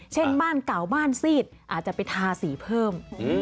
เช่นบ้านเก่าบ้านซีดอาจจะไปทาสีเพิ่ม